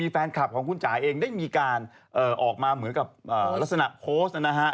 แฟนคลับของคุณจ๋าเองได้มีการออกมาเหมือนกับลักษณะโพสต์นะฮะ